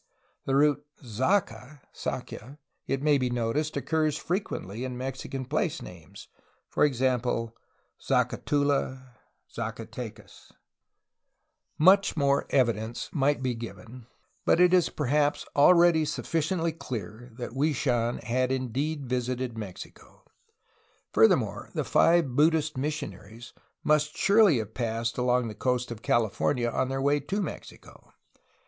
'' The root "Zaca'' (Sakya), it may be noticed, occurs frequently in Mexican place names, e. g. Zacatula, Zacatecas. THE CHINESE ALONG THE COAST IN ANCIENT TIMES 29 Much more evidence might be given, but it is perhaps already sufficiently clear that Hwui Sh^n had indeed visited Mexico. Furthermore, the five Buddhist missionaries must surely have passed along the coast of California on their way to Mexico.